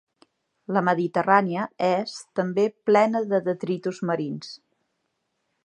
La Mediterrània és, també, plena de detritus marins.